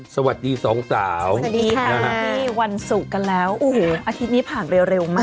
สวัสดีสองสาวสวัสดีค่ะวันศุกร์กันแล้วโอ้โหอาทิตย์นี้ผ่านไปเร็วมาก